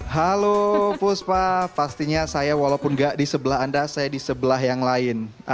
halo puspa pastinya saya walaupun nggak di sebelah anda saya di sebelah yang lain